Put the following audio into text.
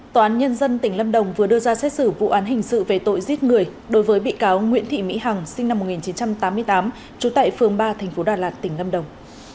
tòa án nhân dân tỉnh lâm đồng vừa đưa ra xét xử vụ án hình sự về tội giết người đối với bị cáo nguyễn thị mỹ hằng sinh năm một nghìn chín trăm tám mươi tám trú tại phường ba tp đà lạt tỉnh lâm đồng